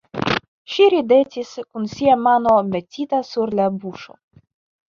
Ŝi ridetis kun sia mano metita sur la buŝo.